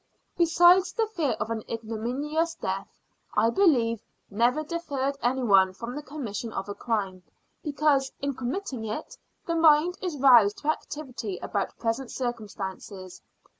Besides the fear of an ignominious death, I believe, never deferred anyone from the commission of a crime, because, in committing it, the mind is roused to activity about present circumstances.